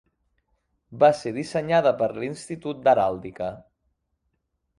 Va ser dissenyada per l'Institut d'Heràldica.